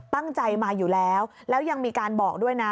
ตั้งใจมาอยู่แล้วแล้วยังมีการบอกด้วยนะ